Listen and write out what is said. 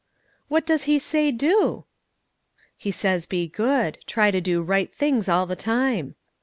"What does He say do?" "He says be good; try to do right things all the time."